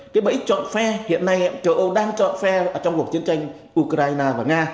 cái bẫy chọn phe hiện nay châu âu đang chọn phe trong cuộc chiến tranh ukraine và nga